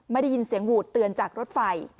ได้ยินเสียงหวูดเตือนจากรถไฟ